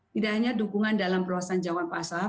tidak hanya dukungan dalam peruasan jawan pasar